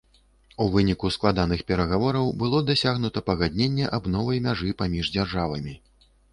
У выніку складаных перагавораў было дасягнута пагадненне аб новай мяжы паміж дзяржавамі.